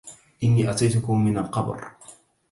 إني أتيتكم من القبر